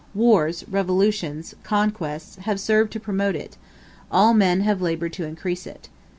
Wars, revolutions, conquests, have served to promote it: all men have labored to increase it.